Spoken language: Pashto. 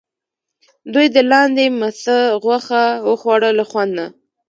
دوی د لاندي مسته غوښه وخوړه له خوند نه.